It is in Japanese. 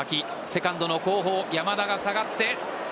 セカンドの後方、山田が下がって。